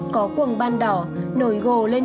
có cuồng ban đỏ nổi gồ lên